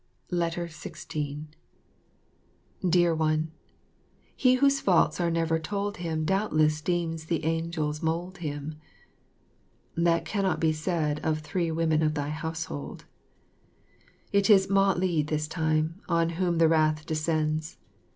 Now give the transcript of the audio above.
16 Dear One, "He whose faults are never told him Doubtless deems the angels mould him." That cannot be said of three women of thy household. It is Mah li this time on whom the wrath descends.